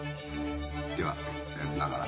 ではせん越ながら。